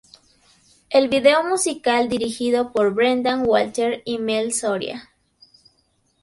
El vídeo musical fue dirigido por Brendan Walter y Mel Soria.